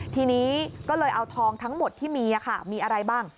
ทีนี้ก็เลยเอาทองทั้งหมดที่มีมีอะไรบ้าง